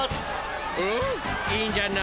うんいいんじゃない？